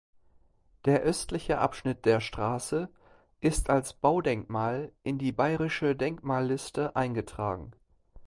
Der östliche Abschnitt der Straße ist als Baudenkmal in die Bayerische Denkmalliste eingetragen.